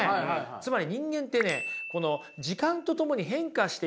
つまり人間ってね時間とともに変化していくものなんですよね。